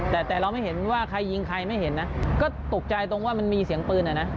แต่แต่เราไม่เห็นว่าใครยิงใครไม่เห็นนะก็ตกใจตรงว่ามันมีเสียงปืนอ่ะนะ